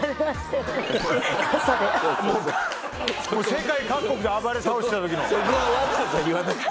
世界各国で暴れ倒してた時の。